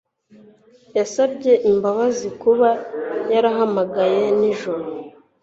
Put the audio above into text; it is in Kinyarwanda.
yasabye imbabazi kuba yarahamagaye nijoro.